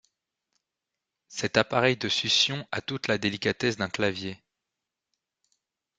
Cet appareil de succion a toute la délicatesse d’un clavier.